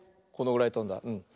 このぐらいとんだね。